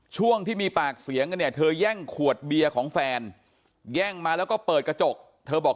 ช่วงที่มีปากเสียงกันเนี่ยเธอแย่งขวดเบียร์ของแฟนแย่งมาแล้วก็เปิดกระจกเธอบอก